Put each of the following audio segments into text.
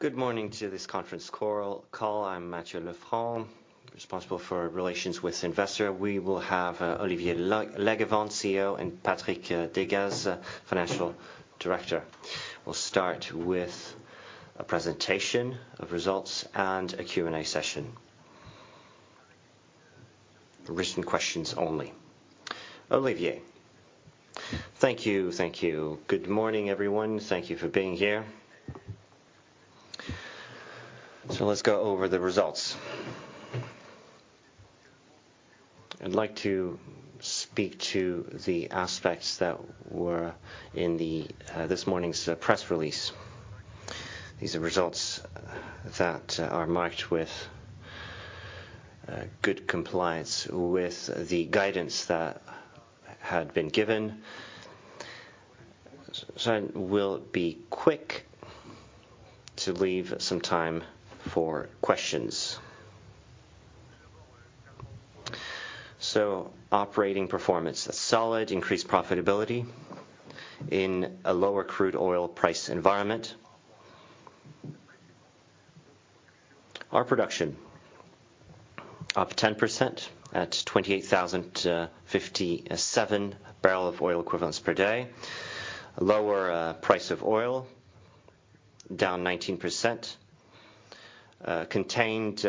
Good morning to this conference call. I'm Matthieu Lefrancq, responsible for Investor Relations. We will have Olivier de Langavant, Chief Executive Officer, and Patrick Deygas, financial director. We'll start with a presentation of results and a Q&A session. Written questions only. Olivier, Thank you, thank you. Good morning, everyone. Thank you for being here. So let's go over the results. I'd like to speak to the aspects that were in this morning's press release. These are results that are marked with good compliance with the guidance that had been given. So I will be quick to leave some time for questions. So operating performance: solid, increased profitability in a lower crude oil price environment. Our production: up 10% at 28,057 barrels of oil equivalent per day. Lower price of oil: down 19%. Contained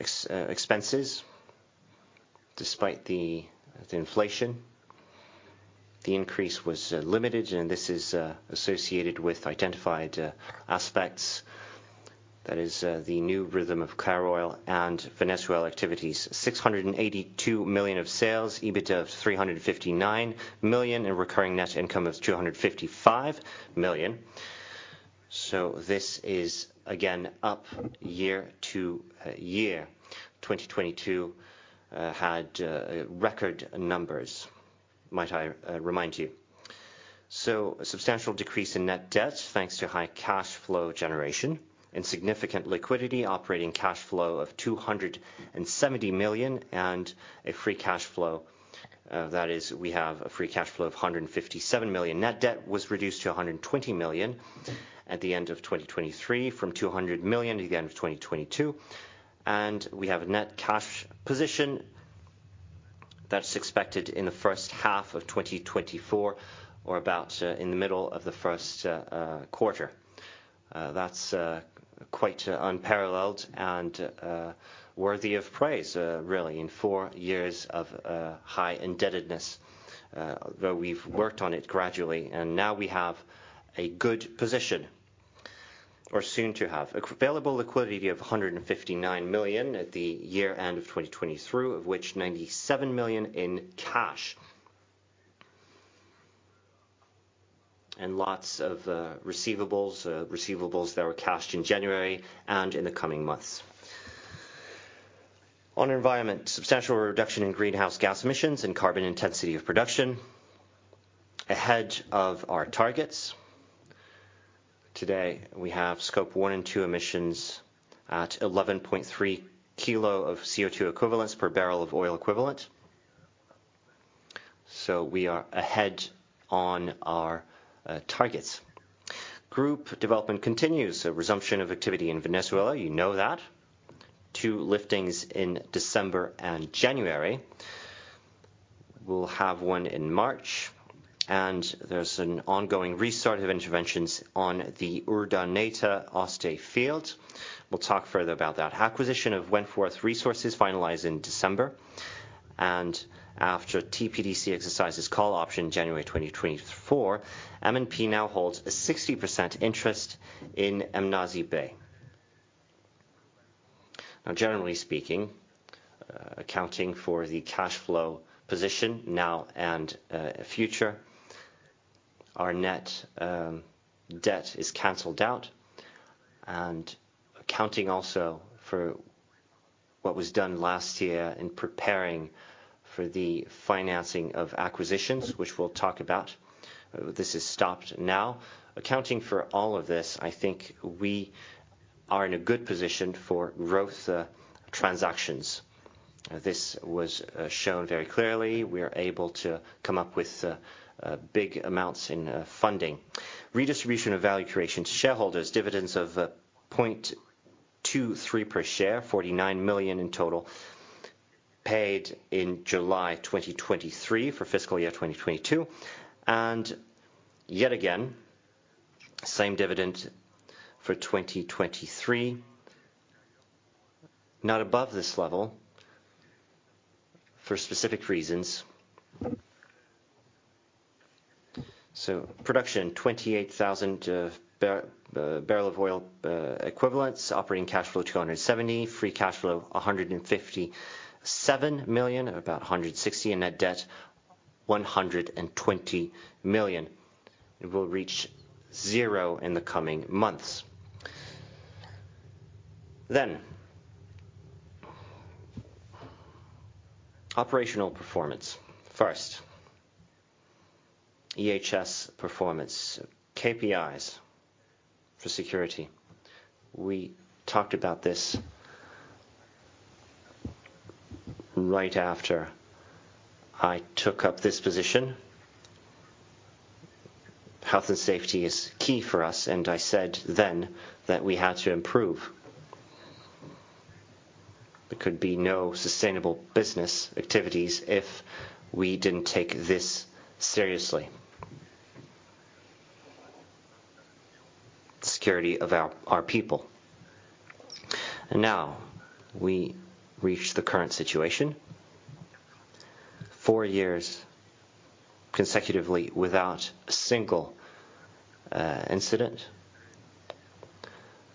expenses despite the inflation. The increase was limited, and this is associated with identified aspects. That is the new rhythm of crude oil and Venezuelan activities: $682 million of sales, EBITDA of $359 million, and recurring net income of $255 million. This is, again, up year-over-year. 2022 had record numbers, might I remind you. Substantial decrease in net debt thanks to high cash flow generation and significant liquidity. Operating cash flow of $270 million and a free cash flow that is, we have a free cash flow of $157 million. Net debt was reduced to $120 million at the end of 2023, from $200 million at the end of 2022. We have a net cash position that's expected in the first half of 2024 or about in the middle of the first quarter. That's quite unparalleled and worthy of praise, really, in four years of high indebtedness, though we've worked on it gradually. Now we have a good position, or soon to have. Available liquidity of $159 million at the year-end of 2023, of which $97 million in cash and lots of receivables that were cashed in January and in the coming months. On environment: substantial reduction in greenhouse gas emissions and carbon intensity of production. Ahead of our targets. Today, we have Scope 1 and 2 emissions at 11.3 kg of CO2 equivalents per barrel of oil equivalent. We are ahead on our targets. Group development continues. Resumption of activity in Venezuela, you know that. Two liftings in December and January. We'll have one in March. There's an ongoing restart of interventions on the Urdaneta Oeste field. We'll talk further about that. Acquisition of Wentworth Resources finalized in December. After TPDC exercises call option January 2024, M&P now holds a 60% interest in Mnazi Bay. Now, generally speaking, accounting for the cash flow position now and future, our net debt is canceled out. Accounting also for what was done last year in preparing for the financing of acquisitions, which we'll talk about. This is stopped now. Accounting for all of this, I think we are in a good position for growth transactions. This was shown very clearly. We are able to come up with big amounts in funding. Redistribution of value creation to shareholders: dividends of 0.23 per share, 49 million in total, paid in July 2023 for fiscal year 2022. Yet again, same dividend for 2023, not above this level for specific reasons. So production: 28,000 barrels of oil equivalent. Operating cash flow: $270 million. Free cash flow: $157 million, about $160 million. And net debt: $120 million. We'll reach zero in the coming months. Then operational performance. First, EHS performance. KPIs for security. We talked about this right after I took up this position. Health and safety is key for us, and I said then that we had to improve. There could be no sustainable business activities if we didn't take this seriously. Security of our people. And now we reach the current situation. 4 years consecutively without a single incident.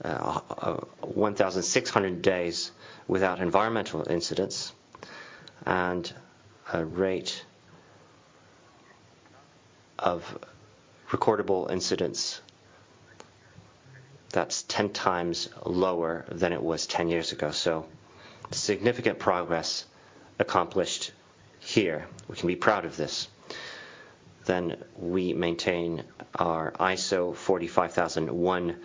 1,600 days without environmental incidents. And a rate of recordable incidents, that's 10 times lower than it was 10 years ago. So significant progress accomplished here. We can be proud of this. Then we maintain our ISO 45001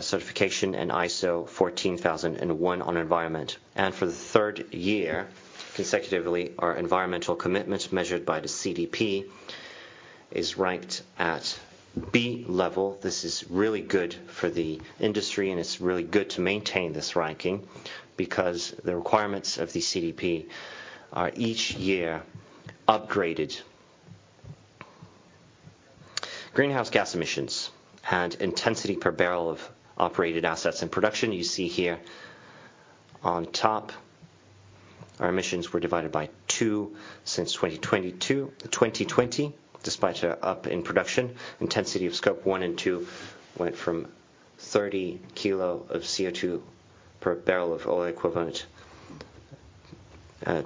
certification and ISO 14001 on environment. And for the third year consecutively, our environmental commitment measured by the CDP is ranked at B level. This is really good for the industry, and it's really good to maintain this ranking because the requirements of the CDP are each year upgraded. Greenhouse gas emissions and intensity per barrel of operated assets in production. You see here on top, our emissions were divided by 2 since 2022. 2020, despite up in production, intensity of Scope 1 and 2 went from 30 kg of CO2 per barrel of oil equivalent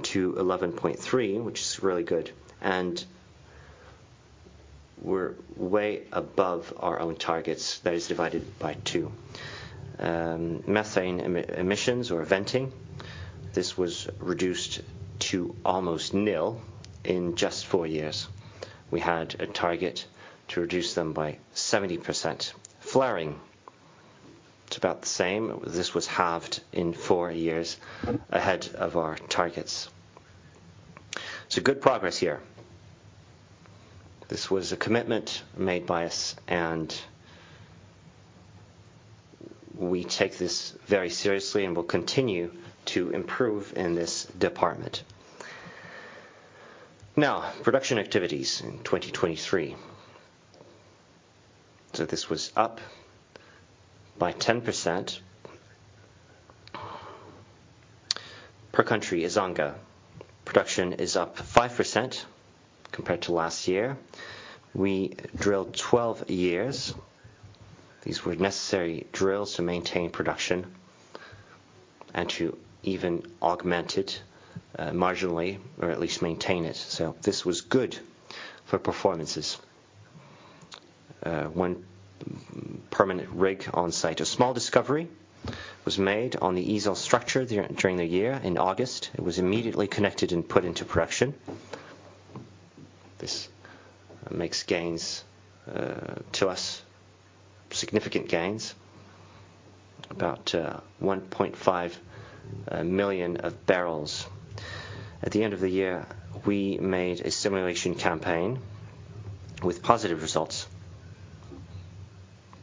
to 11.3, which is really good. And we're way above our own targets. That is divided by two. Methane emissions or venting, this was reduced to almost nil in just four years. We had a target to reduce them by 70%. Flaring, it's about the same. This was halved in four years ahead of our targets. So good progress here. This was a commitment made by us, and we take this very seriously and will continue to improve in this department. Now, production activities in 2023. So this was up by 10%. Per country, Ezanga, production is up 5% compared to last year. We drilled 12 years. These were necessary drills to maintain production and to even augment it marginally, or at least maintain it. So this was good for performances. One permanent rig on-site. A small discovery was made on the Ezanga structure during the year in August. It was immediately connected and put into production. This makes gains to us, significant gains, about 1.5 million barrels. At the end of the year, we made a seismic campaign with positive results.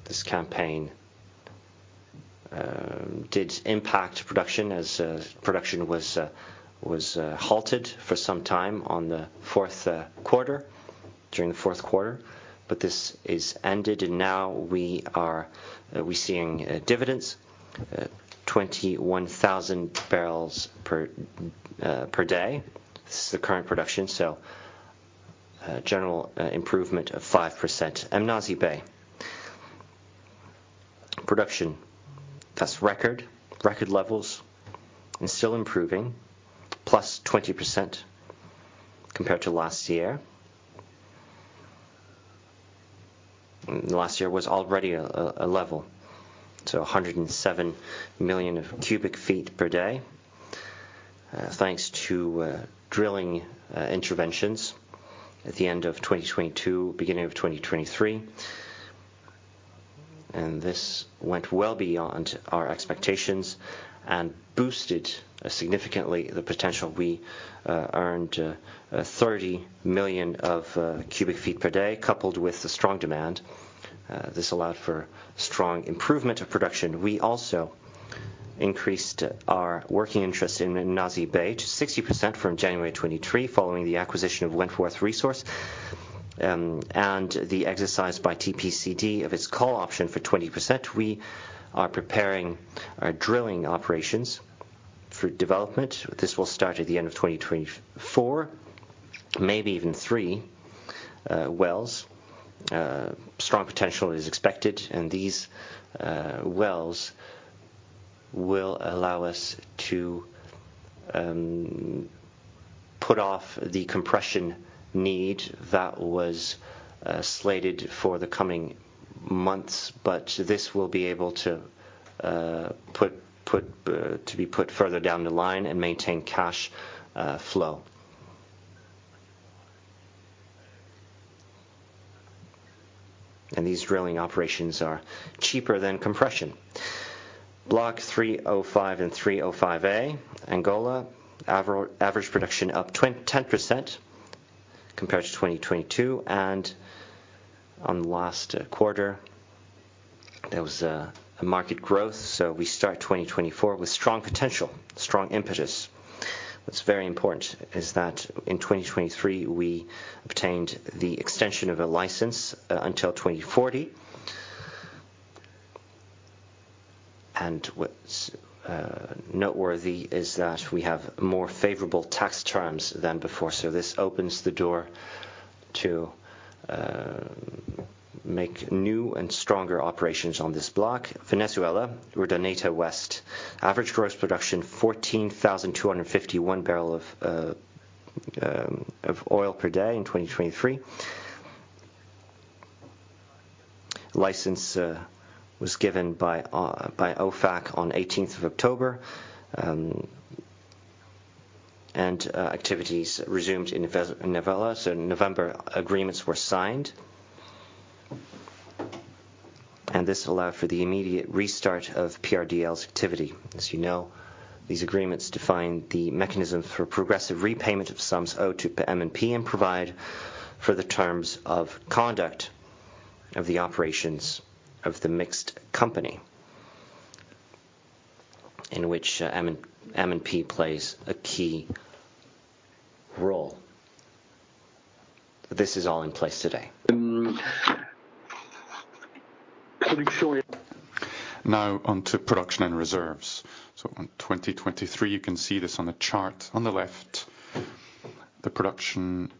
This campaign did impact production as production was halted for some time during the fourth quarter. But this is ended, and now we are seeing dividends. 21,000 barrels per day. This is the current production, so general improvement of 5%. Mnazi Bay production, that's record. Record levels and still improving, +20% compared to last year. Last year was already a level. So 107 million cubic feet per day thanks to drilling interventions at the end of 2022, beginning of 2023. And this went well beyond our expectations and boosted significantly the potential. We earned 30 million cubic feet per day coupled with the strong demand. This allowed for strong improvement of production. We also increased our working interest in Mnazi Bay to 60% from January 2023 following the acquisition of Wentworth Resources. And the exercise by TPDC of its call option for 20%, we are preparing our drilling operations for development. This will start at the end of 2024, maybe even three wells. Strong potential is expected, and these wells will allow us to put off the compression need that was slated for the coming months. But this will be able to be put further down the line and maintain cash flow. These drilling operations are cheaper than compression. Block 3/05 and 3/05A, Angola, average production up 10% compared to 2022. On the last quarter, there was a market growth. We start 2024 with strong potential, strong impetus. What's very important is that in 2023, we obtained the extension of a license until 2040. What's noteworthy is that we have more favorable tax terms than before. This opens the door to make new and stronger operations on this block. Venezuela, Urdaneta Oeste, average gross production 14,251 barrels of oil per day in 2023. License was given by OFAC on 18th of October. Activities resumed in November. November agreements were signed. This allowed for the immediate restart of PRDL's activity. As you know, these agreements define the mechanisms for progressive repayment of sums owed to M&P and provide further terms of conduct of the operations of the mixed company in which M&P plays a key role. This is all in place today. Now onto production and reserves. So in 2023, you can see this on the chart on the left. The production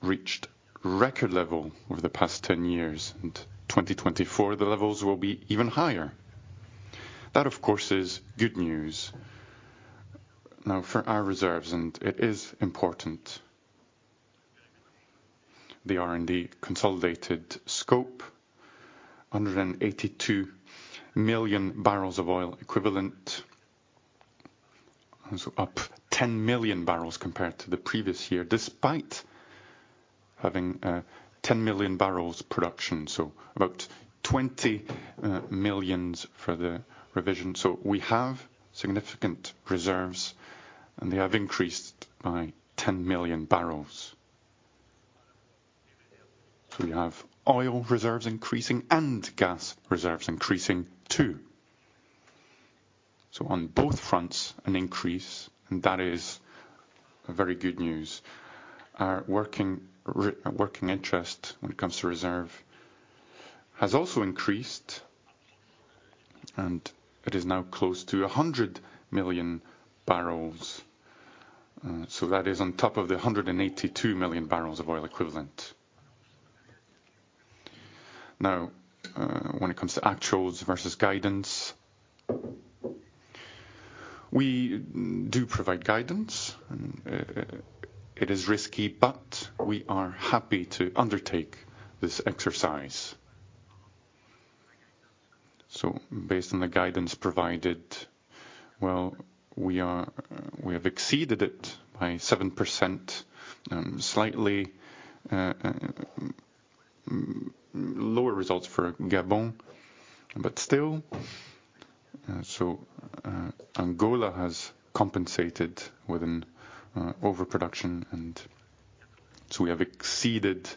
reached record level over the past 10 years. In 2024, the levels will be even higher. That, of course, is good news. Now, for our reserves, and it is important, the 2P reserves consolidated 182 million barrels of oil equivalent. So up 10 million barrels compared to the previous year despite having 10 million barrels production. So about 20 million for the revision. So we have significant reserves, and they have increased by 10 million barrels. So we have oil reserves increasing and gas reserves increasing too. So on both fronts, an increase, and that is very good news. Our working interest when it comes to reserve has also increased, and it is now close to 100 million barrels. So that is on top of the 182 million barrels of oil equivalent. Now, when it comes to actuals versus guidance, we do provide guidance. It is risky, but we are happy to undertake this exercise. So based on the guidance provided, well, we have exceeded it by 7%. Slightly lower results for Gabon, but still. So Angola has compensated with an overproduction. And so we have exceeded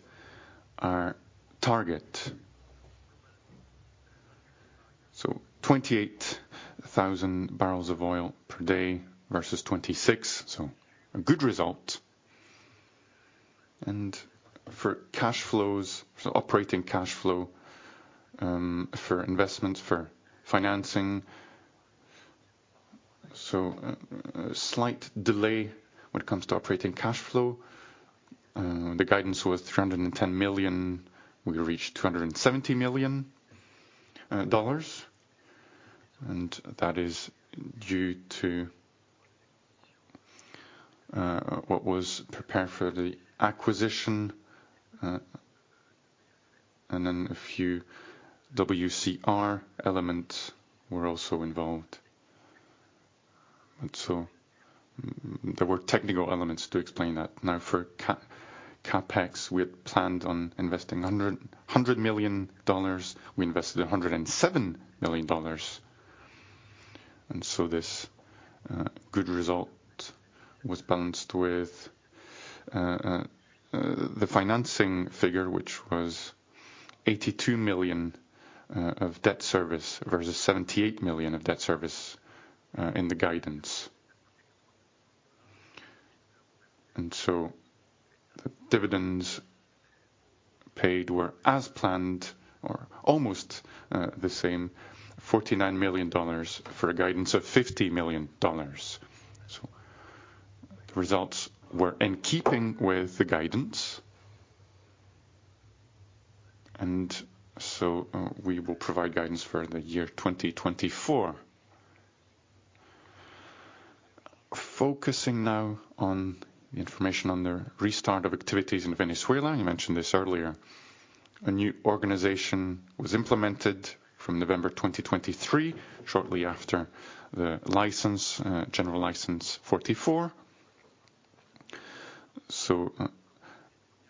our target. So 28,000 barrels of oil per day versus 26. So a good result. And for cash flows, for operating cash flow, for investments, for financing, so slight delay when it comes to operating cash flow. The guidance was $310 million. We reached $270 million. That is due to what was prepared for the acquisition. Then a few WCR elements were also involved. There were technical elements to explain that. Now, for CAPEX, we had planned on investing $100 million. We invested $107 million. This good result was balanced with the financing figure, which was $82 million of debt service versus $78 million of debt service in the guidance. The dividends paid were as planned or almost the same. $49 million for a guidance of $50 million. The results were in keeping with the guidance. We will provide guidance for the year 2024. Focusing now on the information on the restart of activities in Venezuela, I mentioned this earlier. A new organization was implemented from November 2023 shortly after the General License 44.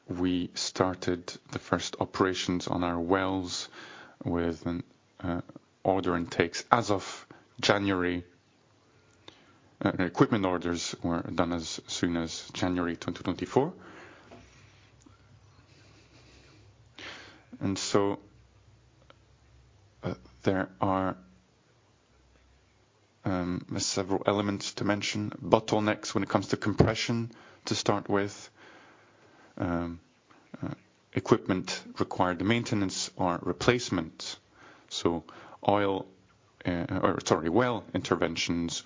We started the first operations on our wells with an order and takes as of January. Equipment orders were done as soon as January 2024. There are several elements to mention. Bottlenecks when it comes to compression to start with. Equipment required maintenance or replacement. Oil or, sorry, well interventions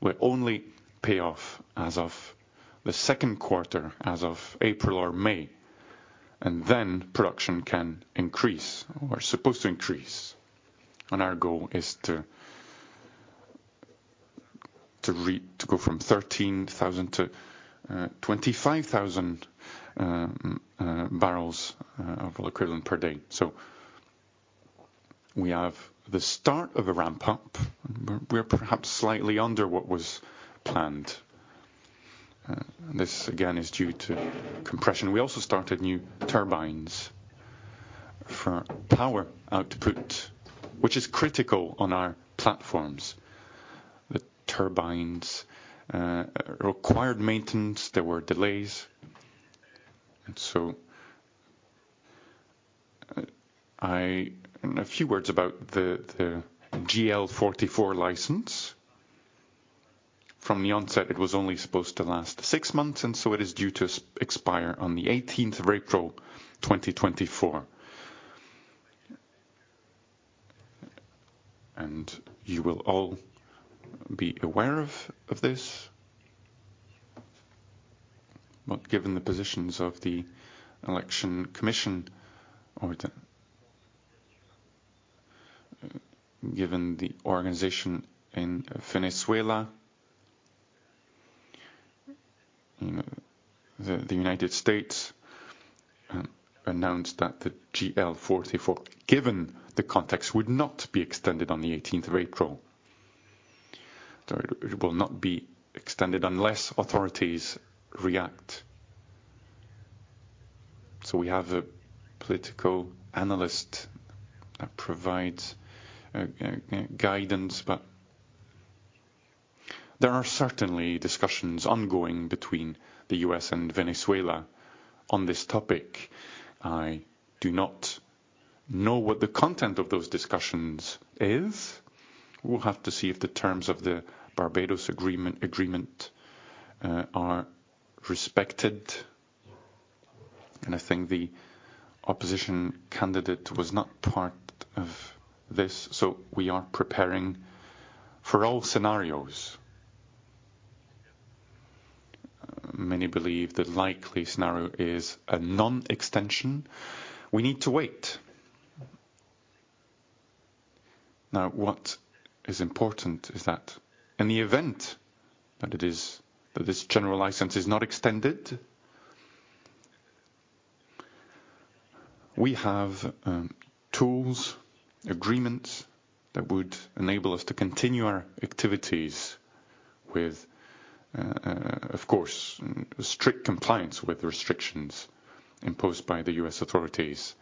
will only pay off as of the second quarter, as of April or May. Then production can increase or is supposed to increase. Our goal is to go from 13,000 to 25,000 barrels of oil equivalent per day. We have the start of a ramp-up. We are perhaps slightly under what was planned. This, again, is due to compression. We also started new turbines for power output, which is critical on our platforms. The turbines required maintenance. There were delays. A few words about the GL 44 license. From the onset, it was only supposed to last six months, and so it is due to expire on the 18th of April 2024. You will all be aware of this. Given the positions of the election commission or given the organization in Venezuela, the United States announced that the GL 44, given the context, would not be extended on the 18th of April. Sorry, it will not be extended unless authorities react. We have a political analyst that provides guidance. There are certainly discussions ongoing between the U.S. and Venezuela on this topic. I do not know what the content of those discussions is. We'll have to see if the terms of the Barbados Agreement are respected. I think the opposition candidate was not part of this. We are preparing for all scenarios. Many believe the likely scenario is a non-extension. We need to wait. Now, what is important is that in the event that this general license is not extended, we have tools, agreements that would enable us to continue our activities with, of course, strict compliance with the restrictions imposed by the U.S. authorities.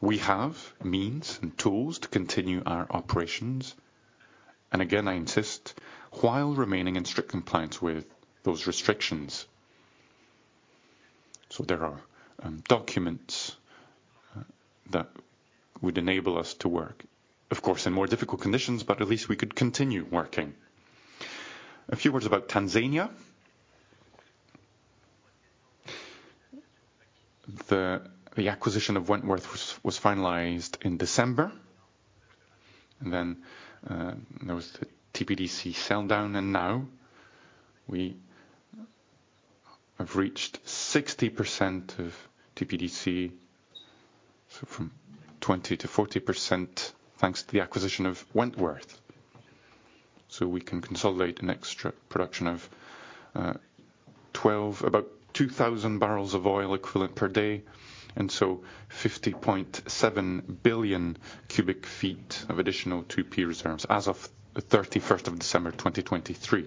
We have means and tools to continue our operations. And again, I insist, while remaining in strict compliance with those restrictions. So there are documents that would enable us to work, of course, in more difficult conditions, but at least we could continue working. A few words about Tanzania. The acquisition of Wentworth was finalized in December. And then there was the TPDC sell-down. And now, we have reached 60% of TPDC. So from 20%-40% thanks to the acquisition of Wentworth. So we can consolidate an extra production of about 2,000 barrels of oil equivalent per day and so 50.7 billion cubic feet of additional 2P reserves as of the 31st of December 2023.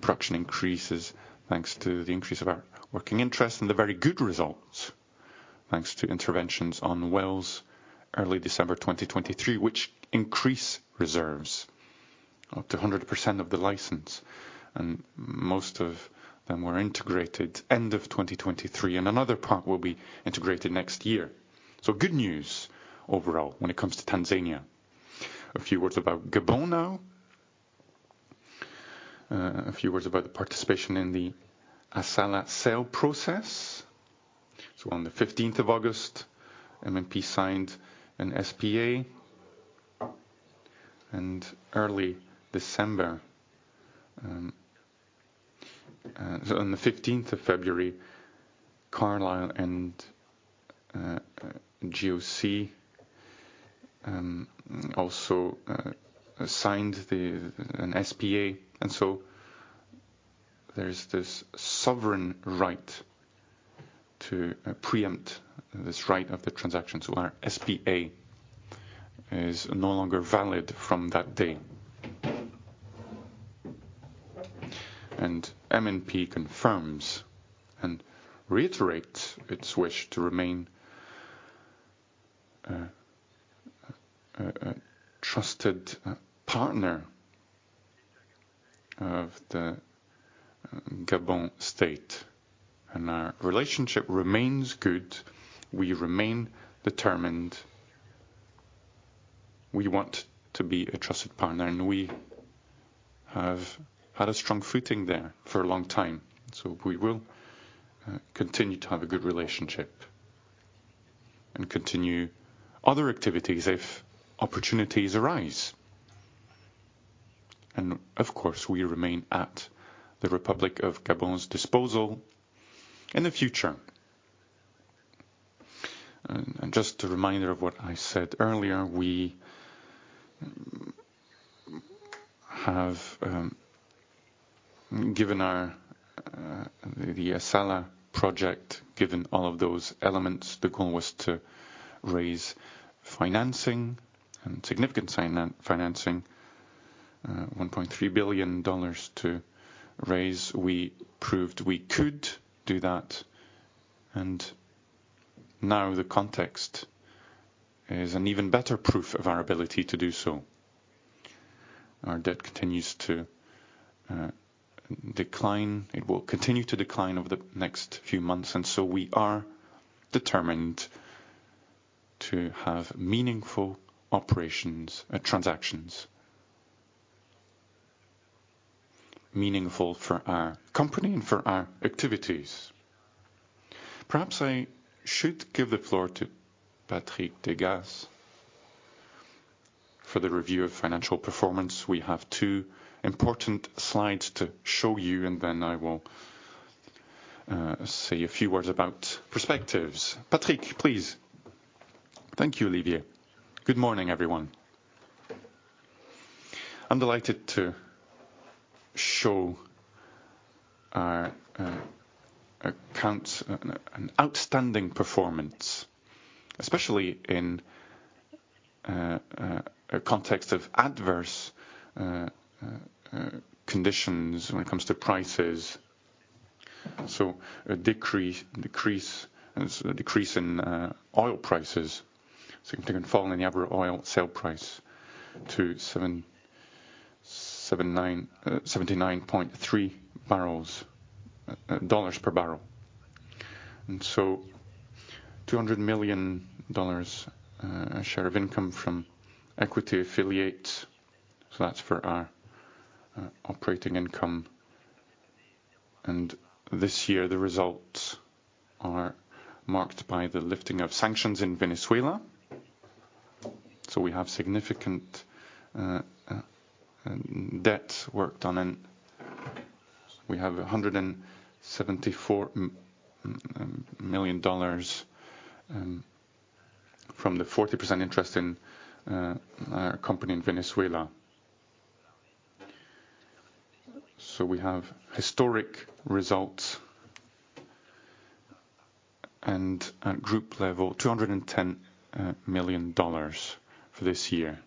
Production increases thanks to the increase of our working interest and the very good results thanks to interventions on wells early December 2023, which increase reserves up to 100% of the license. Most of them were integrated end of 2023. Another part will be integrated next year. So good news overall when it comes to Tanzania. A few words about Gabon now. A few words about the participation in the Assala sale process. So on the 15th of August, M&P signed an SPA. Early December, so on the 15th of February, Carlyle and GOC also signed an SPA. So there's this sovereign right to preemption this right of the transaction. So our SPA is no longer valid from that day. And M&P confirms and reiterates its wish to remain a trusted partner of the Gabon state. And our relationship remains good. We remain determined. We want to be a trusted partner. And we have had a strong footing there for a long time. So we will continue to have a good relationship and continue other activities if opportunities arise. And of course, we remain at the Republic of Gabon's disposal in the future. And just a reminder of what I said earlier, we have given the Assala project, given all of those elements, the goal was to raise financing and significant financing, $1.3 billion to raise. We proved we could do that. And now, the context is an even better proof of our ability to do so. Our debt continues to decline. It will continue to decline over the next few months. So we are determined to have meaningful transactions, meaningful for our company and for our activities. Perhaps I should give the floor to Patrick Deygas for the review of financial performance. We have two important slides to show you, and then I will say a few words about perspectives. Patrick, please. Thank you, Olivier. Good morning, everyone. I'm delighted to show our accounts an outstanding performance, especially in a context of adverse conditions when it comes to prices. So a decrease in oil prices, significant fall in the average oil sale price to $79.3 per barrel. And so a $200 million share of income from equity affiliates. So that's for our operating income. And this year, the results are marked by the lifting of sanctions in Venezuela. So we have significant debt worked on. We have $174 million from the 40% interest in our company in Venezuela. So we have historic results. At group level, $210 million for this year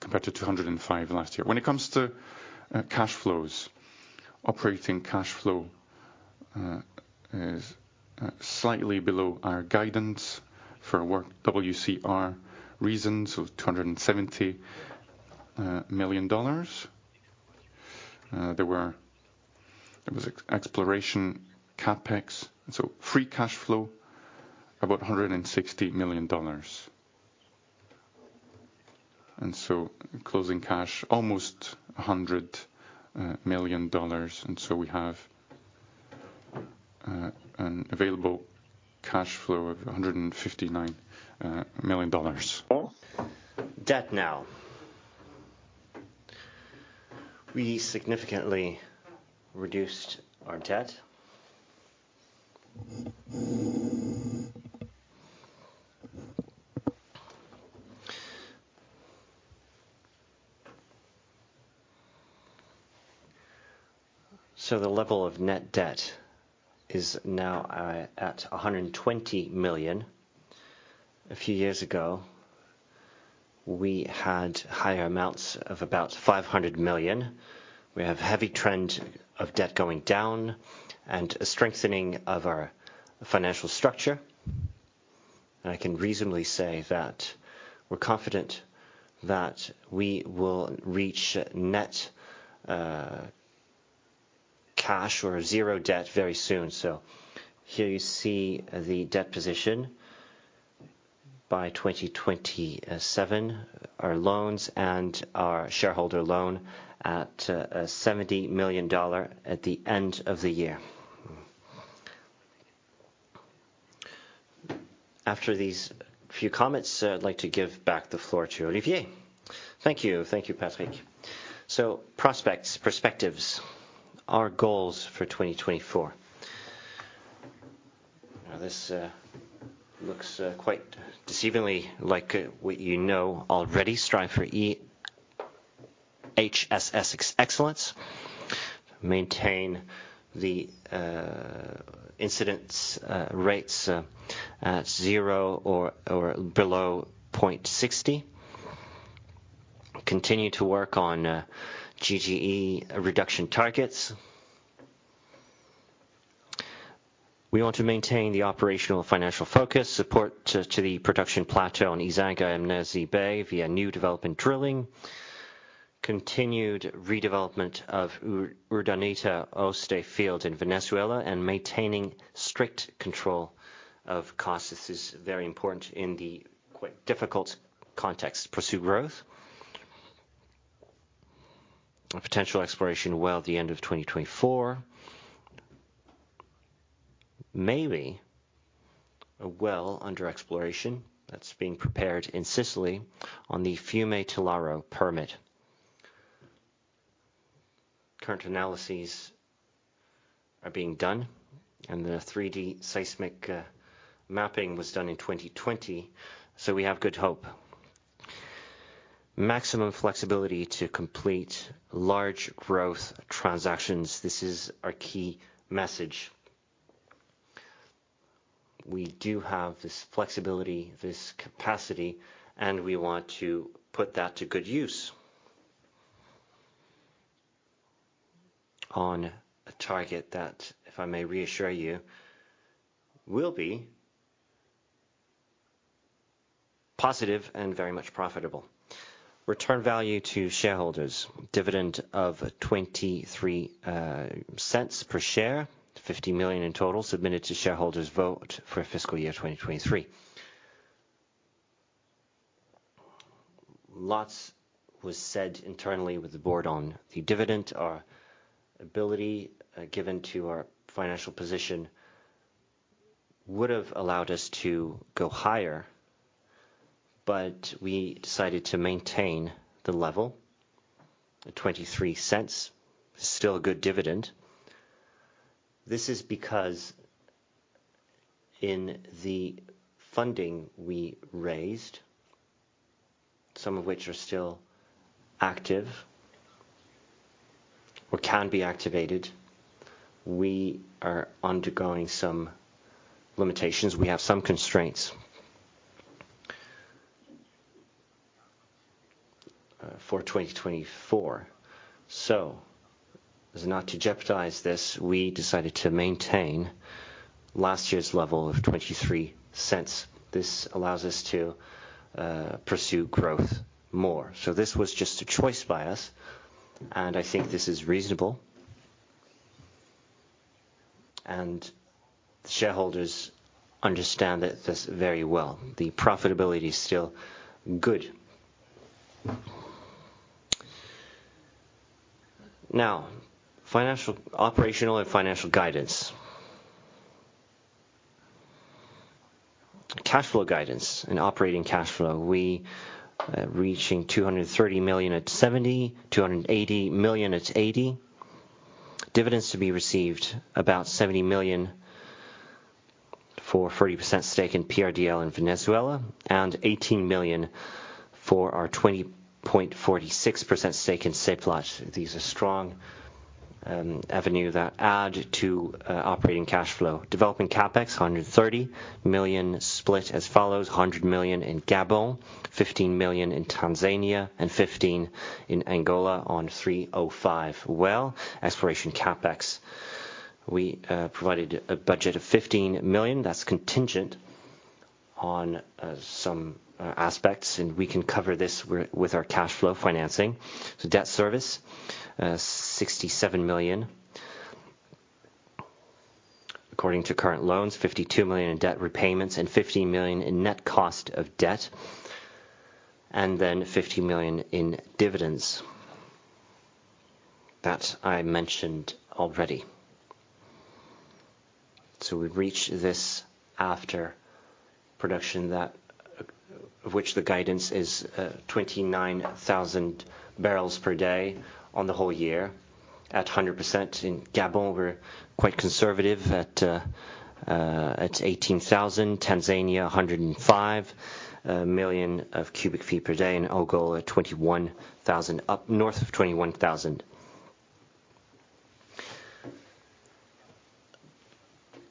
compared to $205 million last year. When it comes to cash flows, operating cash flow is slightly below our guidance for WCR reasons, so $270 million. There was exploration CAPEX. So free cash flow, about $160 million. Closing cash, almost $100 million. We have an available cash flow of $159 million. Debt now. We significantly reduced our debt. The level of net debt is now at $120 million. A few years ago, we had higher amounts of about $500 million. We have a heavy trend of debt going down and a strengthening of our financial structure. I can reasonably say that we're confident that we will reach net cash or zero debt very soon. So here you see the debt position by 2027, our loans and our shareholder loan at $70 million at the end of the year. After these few comments, I'd like to give back the floor to Olivier. Thank you. Thank you, Patrick. So prospects, perspectives, our goals for 2024. Now, this looks quite deceivingly like what you know already. Strive for EHSS excellence. Maintain the incidence rates at 0 or below 0.60. Continue to work on GHG reduction targets. We want to maintain the operational financial focus. Support to the production plateau in Ezanga and Mnazi Bay via new development drilling. Continued redevelopment of Urdaneta Oeste field in Venezuela and maintaining strict control of costs. This is very important in the quite difficult context. Pursue growth. Potential exploration well the end of 2024. Maybe a well under exploration that's being prepared in Sicily on the Fiume Tellaro permit. Current analyses are being done. The 3D seismic mapping was done in 2020. So we have good hope. Maximum flexibility to complete large growth transactions. This is our key message. We do have this flexibility, this capacity, and we want to put that to good use on a target that, if I may reassure you, will be positive and very much profitable. Return value to shareholders. Dividend of 0.23 per share, 50 million in total, submitted to shareholders' vote for fiscal year 2023. Lots was said internally with the board on the dividend. Our ability given to our financial position would have allowed us to go higher, but we decided to maintain the level at 0.23. Still a good dividend. This is because in the funding we raised, some of which are still active or can be activated, we are undergoing some limitations. We have some constraints for 2024. So not to jeopardize this, we decided to maintain last year's level of 0.23. This allows us to pursue growth more. So this was just a choice by us. And I think this is reasonable. And shareholders understand this very well. The profitability is still good. Now, operational and financial guidance. Cash flow guidance and operating cash flow. We reaching $230 million at $70, $280 million at $80. Dividends to be received about $70 million for 40% stake in PRDL in Venezuela and $18 million for our 20.46% stake in Seplat. These are strong avenues that add to operating cash flow. Development CAPEX, $130 million split as follows. $100 million in Gabon, $15 million in Tanzania, and $15 million in Angola on 3/05. Well, exploration CAPEX, we provided a budget of $15 million. That's contingent on some aspects, and we can cover this with our cash flow financing. So debt service, $67 million according to current loans, $52 million in debt repayments, and $15 million in net cost of debt, and then $15 million in dividends that I mentioned already. So we reach this after production of which the guidance is 29,000 barrels per day on the whole year at 100%. In Gabon, we're quite conservative at 18,000. Tanzania, 105 million cubic feet per day and our goal at 21,000 up north of 21,000.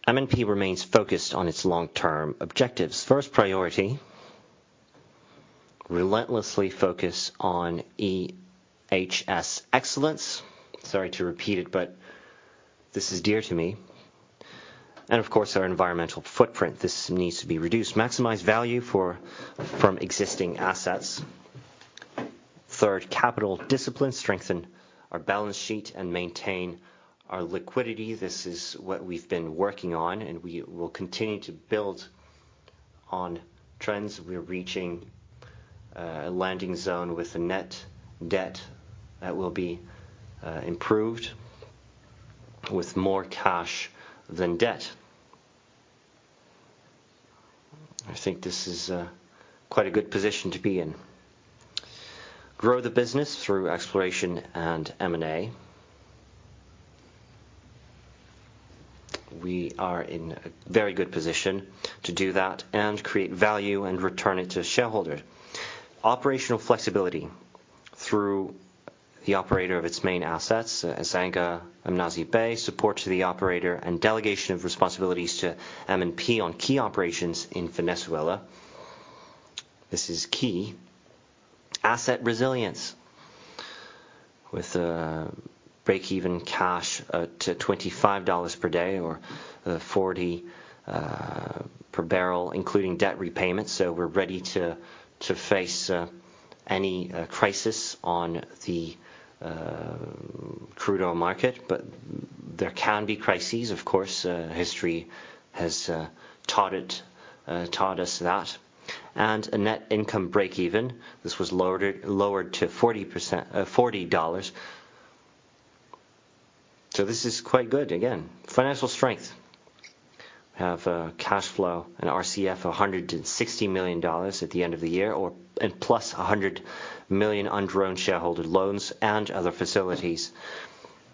M&P remains focused on its long-term objectives. First priority, relentlessly focus on EHS excellence. Sorry to repeat it, but this is dear to me. Of course, our environmental footprint. This needs to be reduced. Maximize value from existing assets. Third, capital discipline. Strengthen our balance sheet and maintain our liquidity. This is what we've been working on, and we will continue to build on trends. We're reaching a landing zone with a net debt that will be improved with more cash than debt. I think this is quite a good position to be in. Grow the business through exploration and M&A. We are in a very good position to do that and create value and return it to shareholders. Operational flexibility through the operator of its main assets, Ezanga & Mnazi Bay, support to the operator, and delegation of responsibilities to M&P on key operations in Venezuela. This is key. Asset resilience with break-even cash to $25 per day or $40 per barrel, including debt repayments. So we're ready to face any crisis on the crude oil market. But there can be crises, of course. History has taught us that. A net income break-even. This was lowered to $40. So this is quite good. Again, financial strength. We have cash flow and RCF of $160 million at the end of the year and plus $100 million on drawn shareholder loans and other facilities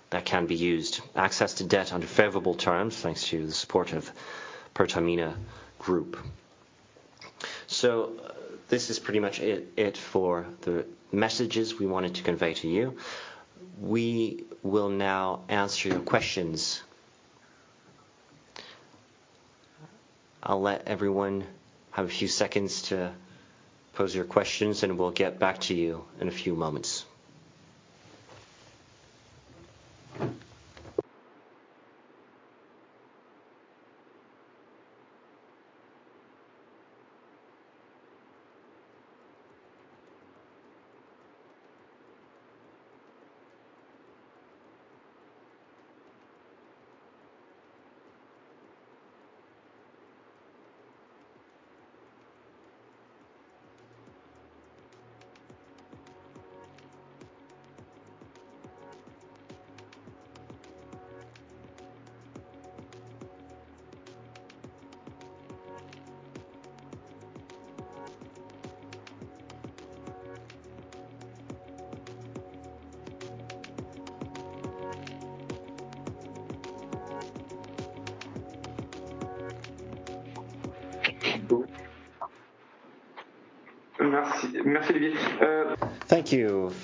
that can be used. Access to debt under favorable terms thanks to the support of Pertamina Group. So this is pretty much it for the messages we wanted to convey to you. We will now answer your questions. I'll let everyone have a few seconds to pose your questions, and we'll get back to you in a few moments.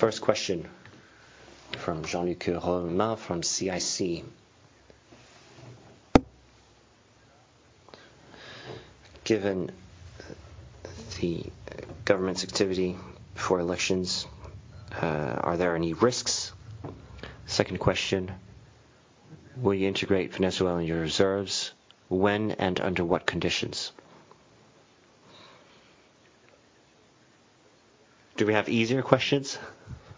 Thank you. First question from Jean-Luc Romain from CIC. Given the government's activity before elections, are there any risks? Second question. Will you integrate Venezuela in your reserves? When and under what conditions? Do we have easier questions?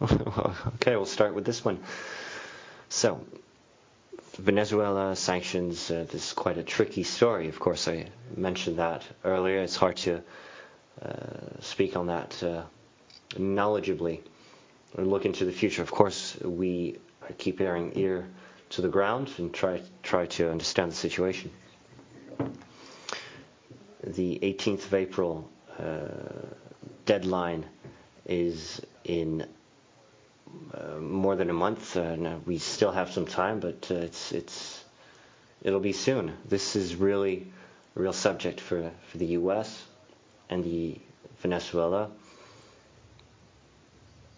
Okay. We'll start with this one. So Venezuela sanctions, this is quite a tricky story. Of course, I mentioned that earlier. It's hard to speak on that knowledgeably. Look into the future. Of course, we keep ear and ear to the ground and try to understand the situation. The 18th of April deadline is in more than a month, and we still have some time, but it'll be soon. This is really a real subject for the U.S. and Venezuela,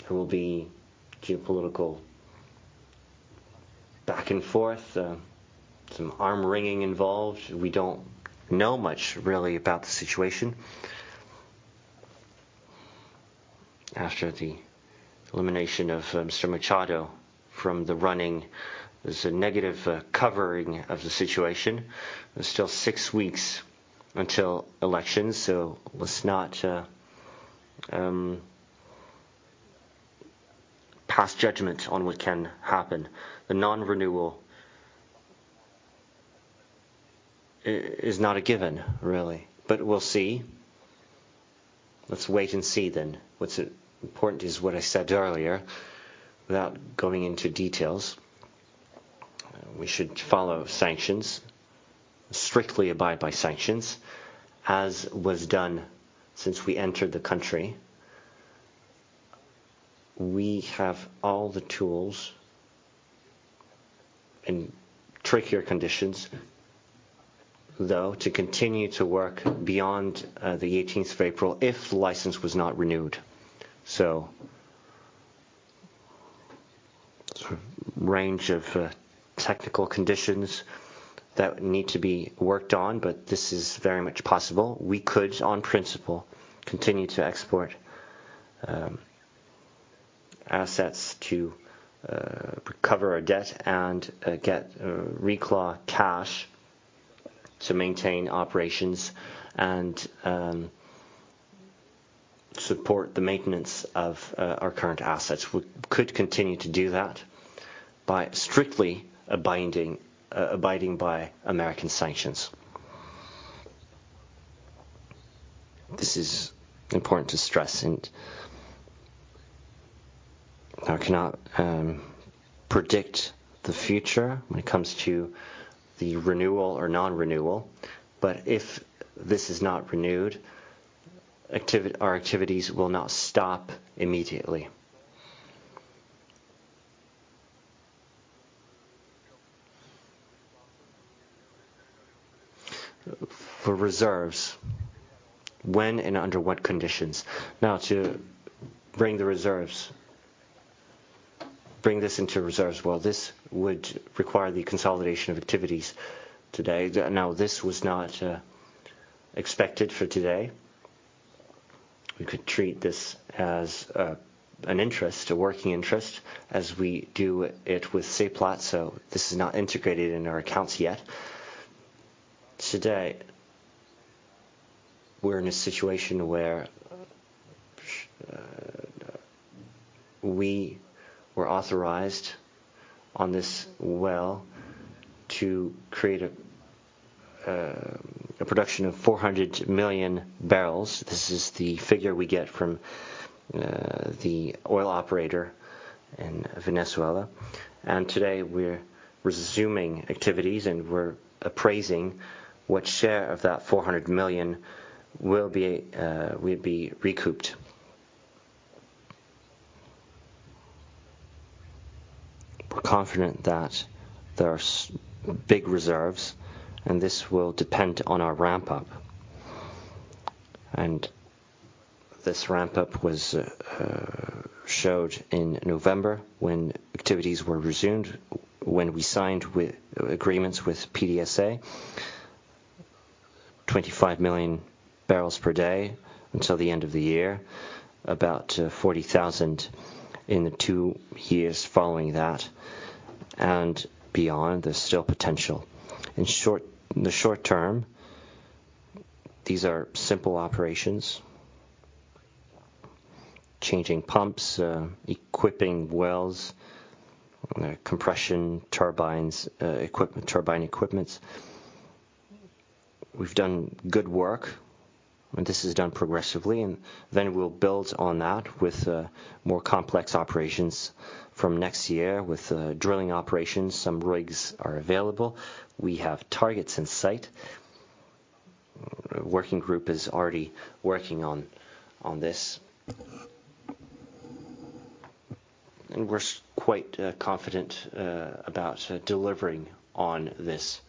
who will be geopolitical back and forth, some arm-wringing involved. We don't know much really about the situation after the elimination of Ms. Machado from the running. There's a negative covering of the situation. There's still six weeks until elections, so let's not pass judgment on what can happen. The non-renewal is not a given, really, but we'll see. Let's wait and see then. What's important is what I said earlier without going into details. We should follow sanctions, strictly abide by sanctions, as was done since we entered the country. We have all the tools in trickier conditions, though, to continue to work beyond the 18th of April if the license was not renewed. So range of technical conditions that need to be worked on, but this is very much possible. We could, on principle, continue to export assets to cover our debt and get reclaim cash to maintain operations and support the maintenance of our current assets. We could continue to do that by strictly abiding by American sanctions. This is important to stress. I cannot predict the future when it comes to the renewal or non-renewal, but if this is not renewed, our activities will not stop immediately. For reserves, when and under what conditions? Now, to bring the reserves, bring this into reserves, well, this would require the consolidation of activities today. Now, this was not expected for today. We could treat this as an interest, a working interest, as we do it with Seplat. So this is not integrated in our accounts yet. Today, we're in a situation where we were authorized on this well to create a production of 400 million barrels. This is the figure we get from the oil operator in Venezuela. And today, we're resuming activities, and we're appraising what share of that 400 million will be recouped. We're confident that there are big reserves, and this will depend on our ramp-up. And this ramp-up was showed in November when activities were resumed, when we signed agreements with PDVSA, 25 million barrels per day until the end of the year, about 40,000 in the two years following that and beyond. There's still potential. In the short term, these are simple operations: changing pumps, equipping wells, compression turbine equipments. We've done good work, and this is done progressively. Then we'll build on that with more complex operations from next year with drilling operations. Some rigs are available. We have targets in sight. A working group is already working on this, and we're quite confident about delivering on this.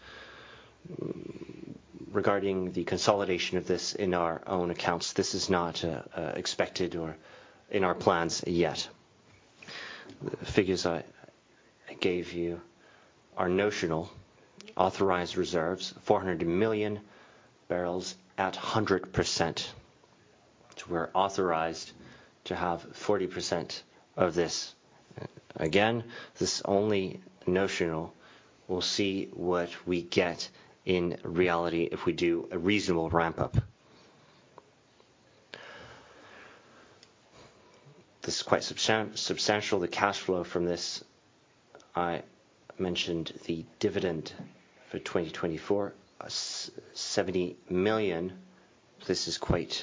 Regarding the consolidation of this in our own accounts, this is not expected or in our plans yet. The figures I gave you are notional authorized reserves, 400 million barrels at 100%. We're authorized to have 40% of this. Again, this is only notional. We'll see what we get in reality if we do a reasonable ramp-up. This is quite substantial, the cash flow from this. I mentioned the dividend for 2024, $70 million. This is quite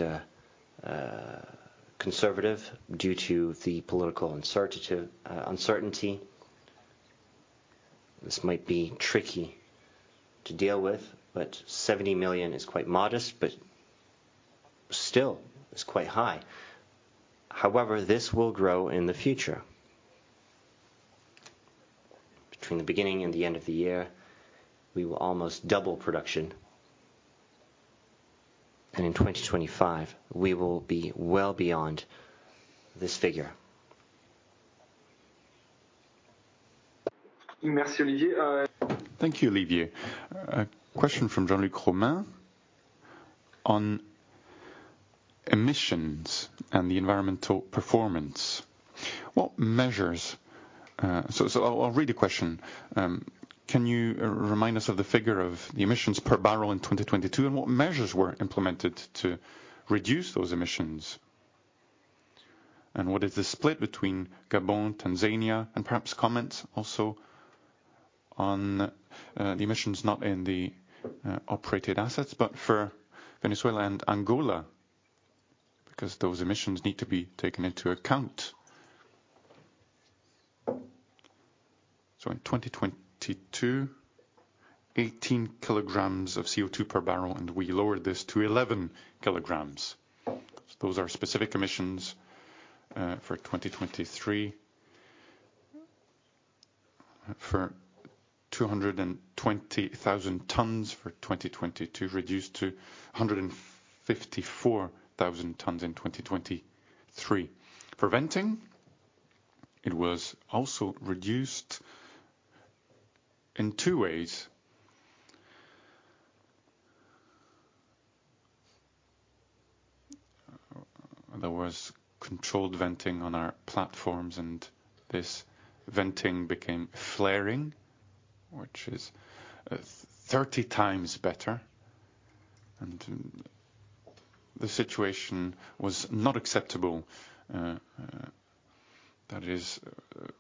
conservative due to the political uncertainty. This might be tricky to deal with, but $70 million is quite modest, but still is quite high. However, this will grow in the future. Between the beginning and the end of the year, we will almost double production. In 2025, we will be well beyond this figure. Thank you, Olivier. Question from Jean-Luc Romain on emissions and the environmental performance. What measures? I'll read the question. Can you remind us of the figure of the emissions per barrel in 2022, and what measures were implemented to reduce those emissions? And what is the split between Gabon, Tanzania, and perhaps comments also on the emissions not in the operated assets, but for Venezuela and Angola because those emissions need to be taken into account? In 2022, 18 kilograms of CO2 per barrel, and we lowered this to 11 kilograms. Those are specific emissions for 2023. For 220,000 tons for 2022, reduced to 154,000 tons in 2023. For venting, it was also reduced in two ways. There was controlled venting on our platforms, and this venting became flaring, which is 30 times better. The situation was not acceptable. That is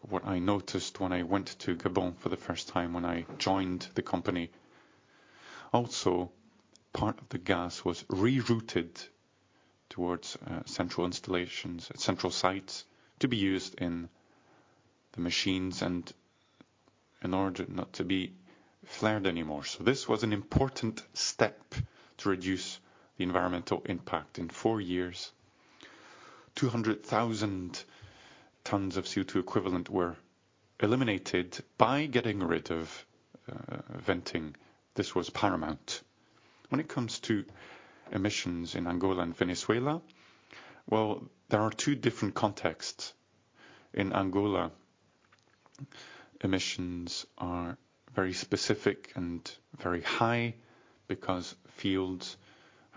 what I noticed when I went to Gabon for the first time when I joined the company. Also, part of the gas was rerouted towards central installations, central sites, to be used in the machines and in order not to be flared anymore. This was an important step to reduce the environmental impact in four years. 200,000 tons of CO2 equivalent were eliminated by getting rid of venting. This was paramount. When it comes to emissions in Angola and Venezuela, well, there are two different contexts. In Angola, emissions are very specific and very high because fields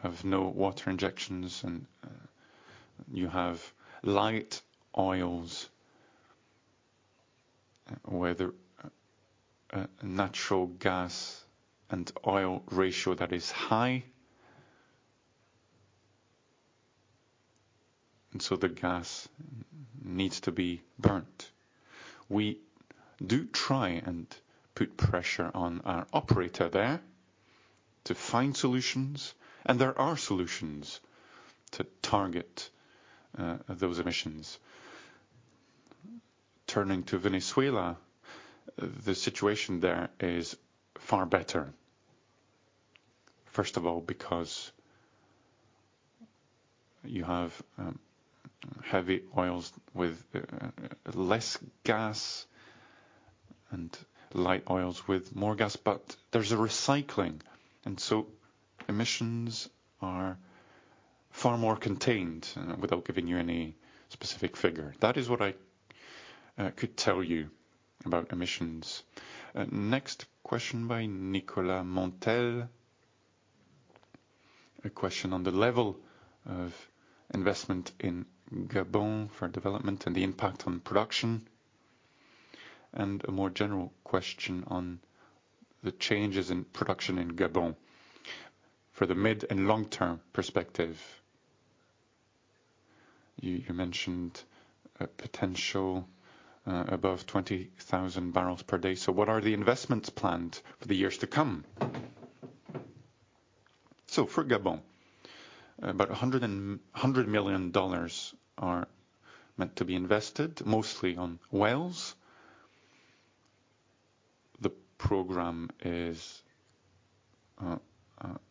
have no water injections, and you have light oils where the natural gas and oil ratio that is high, and so the gas needs to be burnt. We do try and put pressure on our operator there to find solutions, and there are solutions to target those emissions. Turning to Venezuela, the situation there is far better, first of all, because you have heavy oils with less gas and light oils with more gas. But there's a recycling, and so emissions are far more contained without giving you any specific figure. That is what I could tell you about emissions. Next question by Nicolas Montel. A question on the level of investment in Gabon for development and the impact on production, and a more general question on the changes in production in Gabon for the mid and long-term perspective. You mentioned a potential above 20,000 barrels per day. So what are the investments planned for the years to come? So for Gabon, about $100 million are meant to be invested, mostly on wells. The program is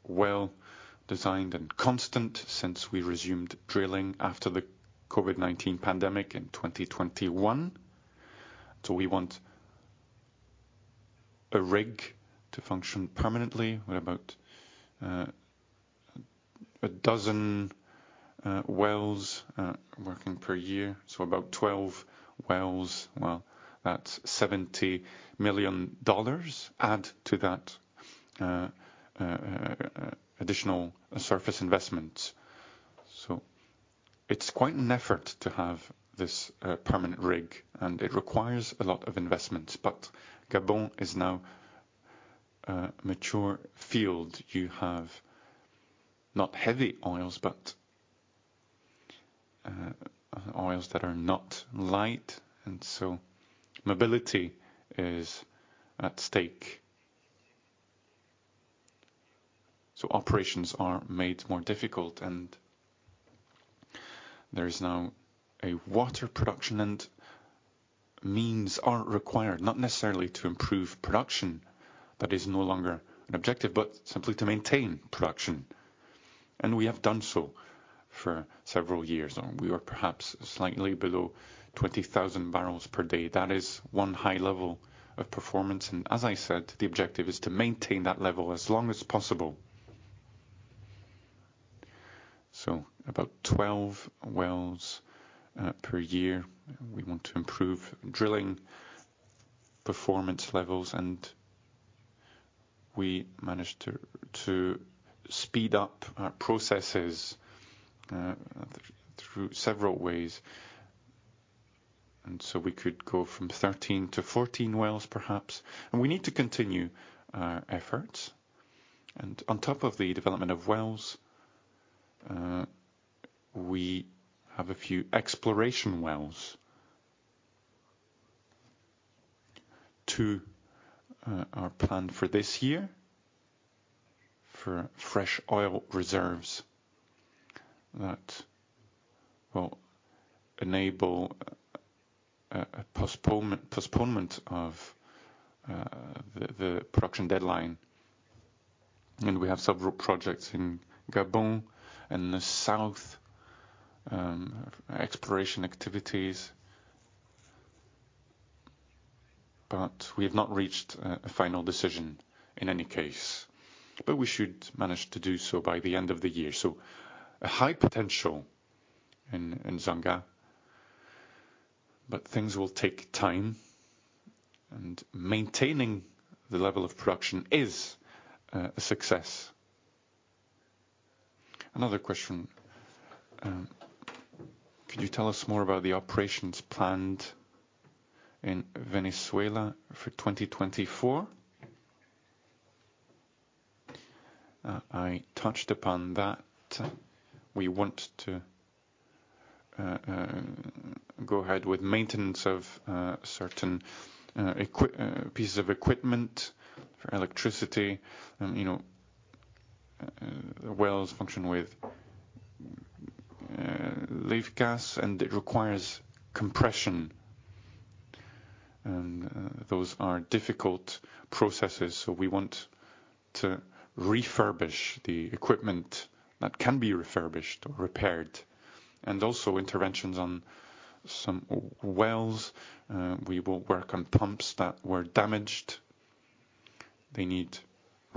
well designed and constant since we resumed drilling after the COVID-19 pandemic in 2021. So we want a rig to function permanently with about 12 wells working per year. So about 12 wells. Well, that's $70 million. Add to that additional surface investment. So it's quite an effort to have this permanent rig, and it requires a lot of investments. But Gabon is now a mature field. You have not heavy oils, but oils that are not light. And so mobility is at stake. So operations are made more difficult, and there is now a water production, and means are required, not necessarily to improve production. That is no longer an objective, but simply to maintain production. We have done so for several years. We were perhaps slightly below 20,000 barrels per day. That is one high level of performance. As I said, the objective is to maintain that level as long as possible. About 12 wells per year. We want to improve drilling performance levels, and we managed to speed up our processes through several ways. So we could go from 13-14 wells, perhaps. We need to continue our efforts. On top of the development of wells, we have a few exploration wells too planned for this year for fresh oil reserves that will enable a postponement of the production deadline. We have several projects in Gabon and the south exploration activities, but we have not reached a final decision in any case. But we should manage to do so by the end of the year. So a high potential in Ezanga, but things will take time. And maintaining the level of production is a success. Another question. Could you tell us more about the operations planned in Venezuela for 2024? I touched upon that. We want to go ahead with maintenance of certain pieces of equipment for electricity. The wells function with lift gas, and it requires compression. And those are difficult processes. So we want to refurbish the equipment that can be refurbished or repaired. And also interventions on some wells. We will work on pumps that were damaged. They need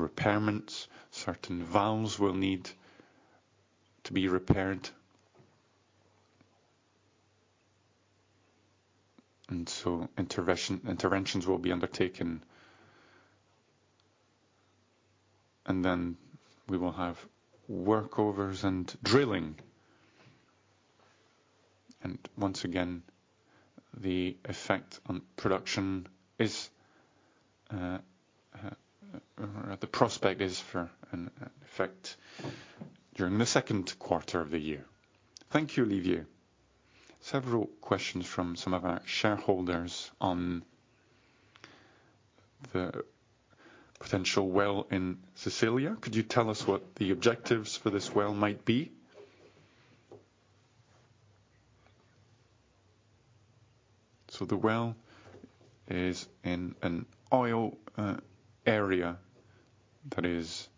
repairs. Certain valves will need to be repaired. And so interventions will be undertaken. And then we will have workovers and drilling. Once again, the effect on production is or the prospect is for an effect during the second quarter of the year. Thank you, Olivier. Several questions from some of our shareholders on the potential well in Sicily. Could you tell us what the objectives for this well might be? So the well is in an oil area that is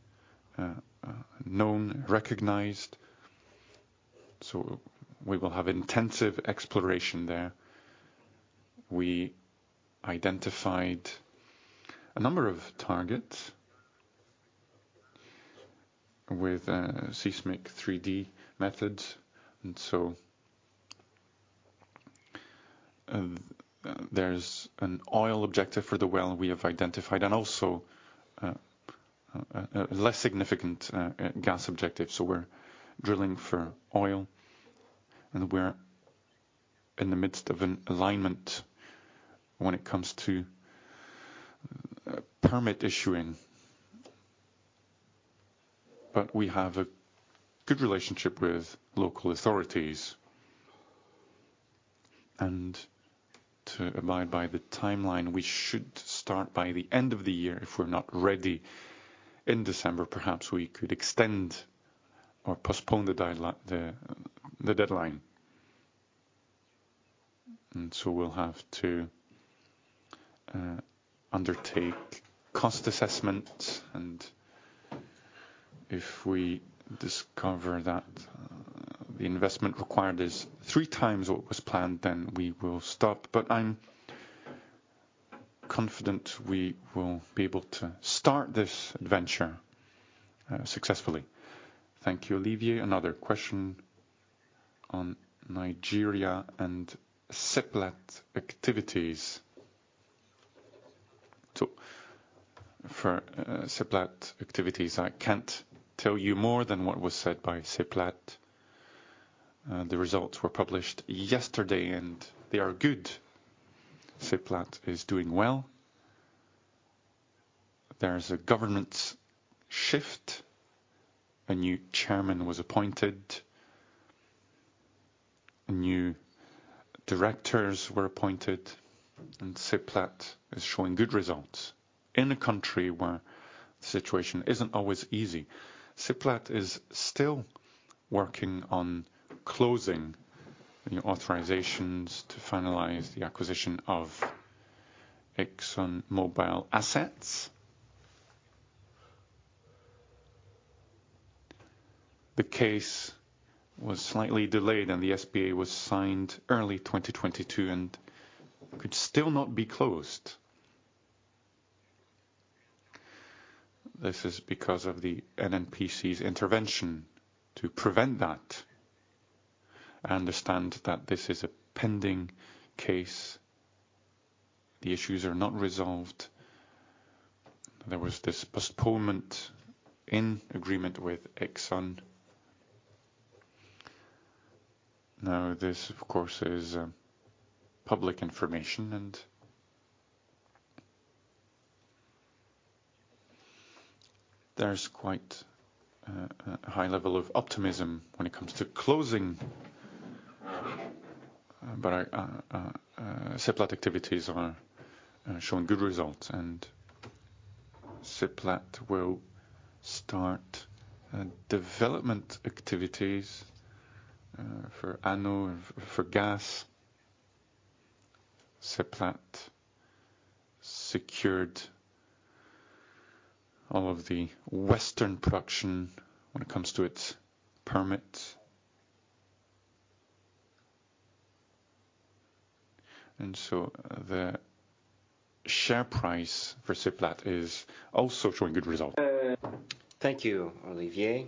known, recognized. So we will have intensive exploration there. We identified a number of targets with seismic 3D methods. And so there's an oil objective for the well we have identified and also a less significant gas objective. So we're drilling for oil, and we're in the midst of an alignment when it comes to permit issuing. But we have a good relationship with local authorities. And to abide by the timeline, we should start by the end of the year. If we're not ready in December, perhaps we could extend or postpone the deadline. And so we'll have to undertake cost assessments. And if we discover that the investment required is three times what was planned, then we will stop. But I'm confident we will be able to start this adventure successfully. Thank you, Olivier. Another question on Nigeria and Seplat activities. So for Seplat activities, I can't tell you more than what was said by Seplat. The results were published yesterday, and they are good. Seplat is doing well. There's a government shift. A new chairman was appointed. New directors were appointed, and Seplat is showing good results in a country where the situation isn't always easy. Seplat is still working on closing the authorizations to finalize the acquisition of ExxonMobil assets. The case was slightly delayed, and the SPA was signed early 2022 and could still not be closed. This is because of the NNPC's intervention to prevent that. I understand that this is a pending case. The issues are not resolved. There was this postponement in agreement with Exxon. Now, this, of course, is public information, and there's quite a high level of optimism when it comes to closing. But Seplat activities are showing good results, and Seplat will start development activities for gas. Seplat secured all of the Western production when it comes to its permits. And so the share price for Seplat is also showing good results. Thank you, Olivier.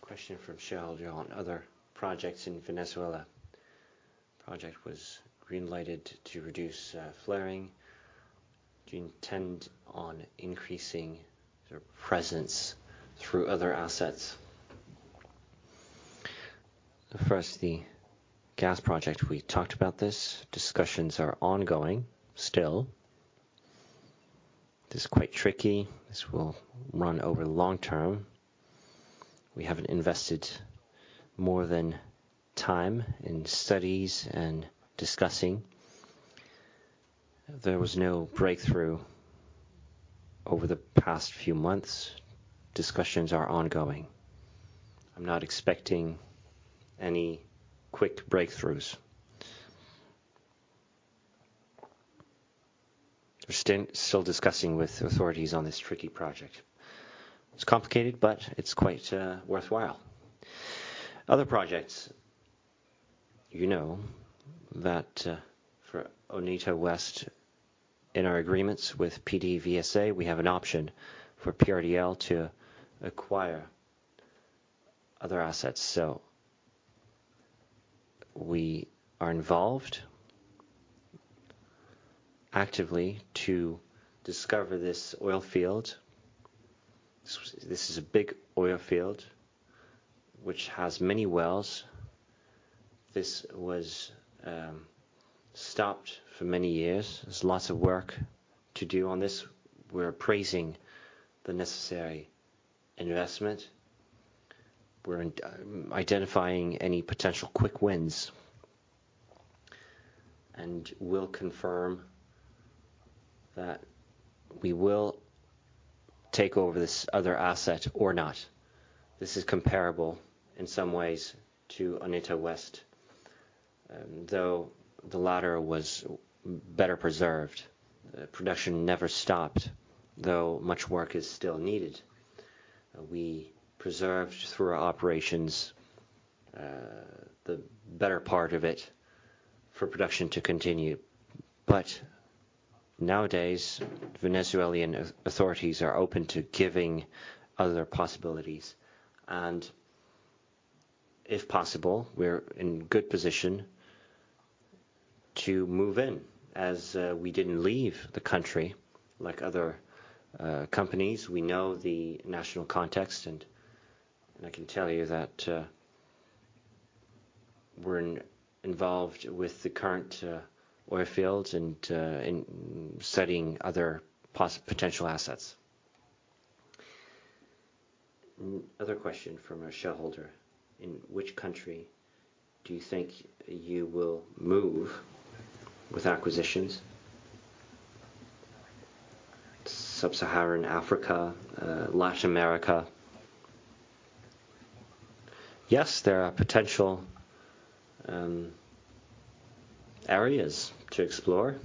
Question from Sheldon on other projects in Venezuela. The project was greenlighted to reduce flaring. Do you intend on increasing their presence through other assets? First, the gas project. We talked about this. Discussions are ongoing still. This is quite tricky. This will run over long term. We haven't invested more than time in studies and discussing. There was no breakthrough over the past few months. Discussions are ongoing. I'm not expecting any quick breakthroughs. We're still discussing with authorities on this tricky project. It's complicated, but it's quite worthwhile. Other projects. You know that for Urdaneta Oeste, in our agreements with PDVSA, we have an option for PRDL to acquire other assets. So we are involved actively to discover this oil field. This is a big oil field which has many wells. This was stopped for many years. There's lots of work to do on this. We're appraising the necessary investment. We're identifying any potential quick wins. And we'll confirm that we will take over this other asset or not. This is comparable in some ways to Urdaneta Oeste, though the latter was better preserved. Production never stopped, though much work is still needed. We preserved through our operations the better part of it for production to continue. But nowadays, Venezuelan authorities are open to giving other possibilities. And if possible, we're in good position to move in as we didn't leave the country like other companies. We know the national context, and I can tell you that we're involved with the current oil fields and studying other potential assets. Another question from a shareholder. In which country do you think you will move with acquisitions? Sub-Saharan Africa, Latin America. Yes, there are potential areas to explore.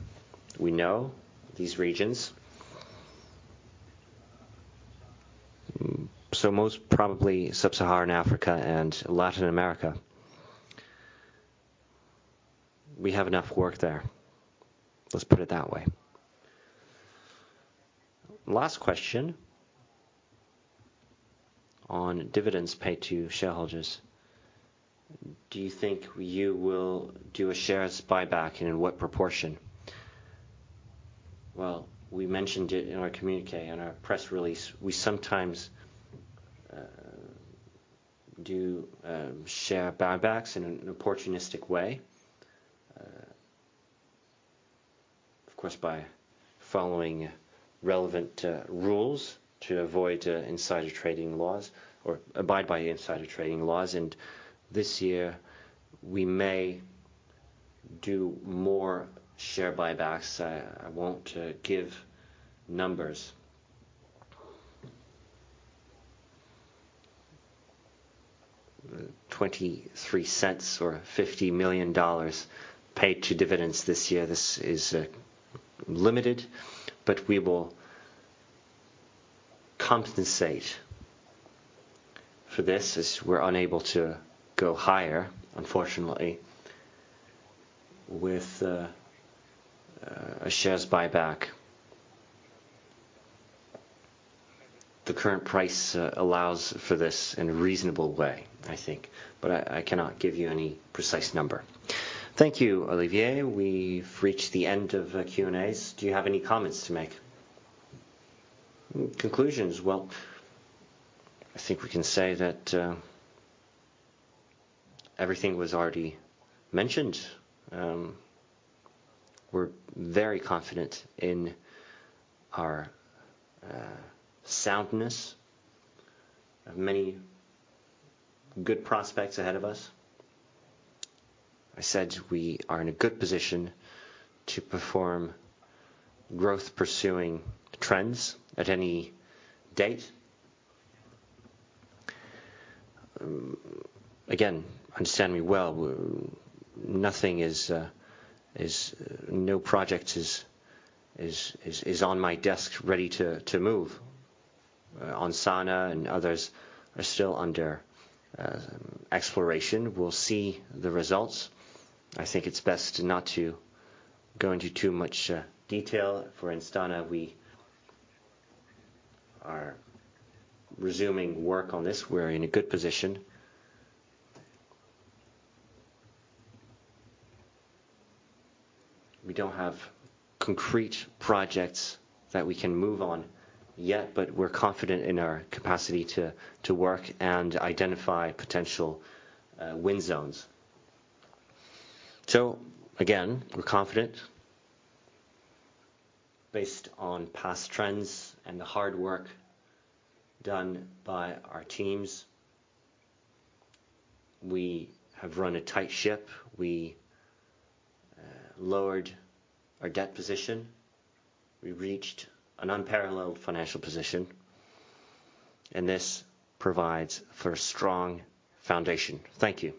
We know these regions. So most probably Sub-Saharan Africa and Latin America. We have enough work there. Let's put it that way. Last question on dividends paid to shareholders. Do you think you will do a shares buyback, and in what proportion? Well, we mentioned it in our communiqué, in our press release. We sometimes do share buybacks in an opportunistic way, of course, by following relevant rules to abide by insider trading laws. And this year, we may do more share buybacks. I won't give numbers. €0.23 or $50 million paid to dividends this year. This is limited, but we will compensate for this as we're unable to go higher, unfortunately, with a shares buyback. The current price allows for this in a reasonable way, I think. But I cannot give you any precise number. Thank you, Olivier. We've reached the end of Q&As. Do you have any comments to make? Conclusions. Well, I think we can say that everything was already mentioned. We're very confident in our soundness. Many good prospects ahead of us. I said we are in a good position to perform growth-pursuing trends at any date. Again, understand me well. No project is on my desk ready to move. and others are still under exploration. We'll see the results. I think it's best not to go into too much detail. For, we are resuming work on this. We're in a good position. We don't have concrete projects that we can move on yet, but we're confident in our capacity to work and identify potential win zones. So again, we're confident. Based on past trends and the hard work done by our teams, we have run a tight ship. We lowered our debt position. We reached an unparalleled financial position. This provides for a strong foundation. Thank you.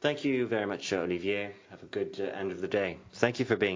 Thank you very much, Olivier. Have a good end of the day. Thank you for being.